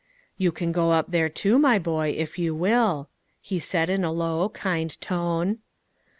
"You can go up there too, my boy, if you will," he said, in a low, kind tone.